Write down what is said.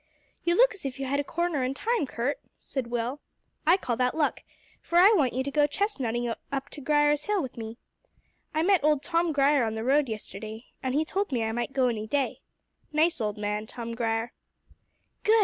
"You look as if you had a corner in time, Curt," said Will. "I call that luck, for I want you to go chestnutting up to Grier's Hill with me. I met old Tom Grier on the road yesterday, and he told me I might go any day. Nice old man, Tom Grier." "Good!"